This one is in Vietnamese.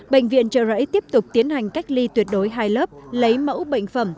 bệnh viện trợ rẫy tiếp tục tiến hành cách ly tuyệt đối hai lớp lấy mẫu bệnh phẩm